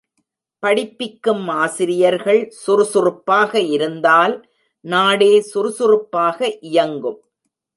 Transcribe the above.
படிப்பிக்கும் ஆசிரியர்கள் சுறுசுறுப்பாக இருந்தால், நாடே சுறுசுறுப்பாக இயங்கும்.